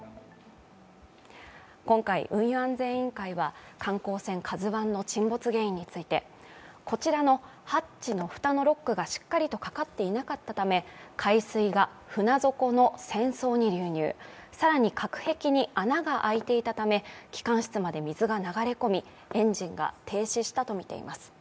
今回運輸安全委員会は観光船「ＫＡＺＵⅠ」の沈没原因についてこちらのハッチの蓋のロックがしっかりとかかっていなかったため、海水が船底の船倉に流入更に隔壁に穴が開いていたため機関室まで水が流れ込みエンジンが停止したと見ています。